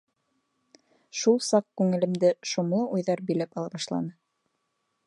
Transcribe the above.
Шул саҡ күңелемде шомло уйҙар биләп ала башланы.